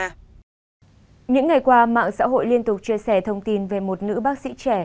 những ngày qua mạng xã hội liên tục chia sẻ thông tin về một nữ bác sĩ trẻ